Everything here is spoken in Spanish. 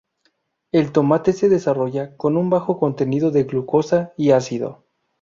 El tomate se desarrolla con un bajo contenido de glucosa y ácido.